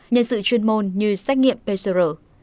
nhân sự chuyên môn như xét nghiệm pcr